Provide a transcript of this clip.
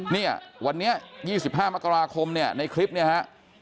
เนี่ยวันนี้๒๕มกราคมเนี่ยในคลิปเนี่ยฮะ